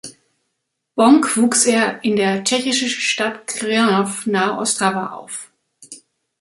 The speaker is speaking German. Bonk wuchs er in der tschechischen Stadt Krnov nahe Ostrava auf.